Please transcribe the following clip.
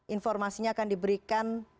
informasinya akan diberikan